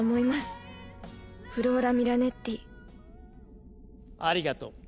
フローラ・ミラネッティありがとう。